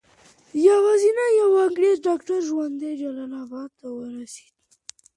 یوازې یو انګریز ډاکټر ژوندی جلال اباد ته ورسېد.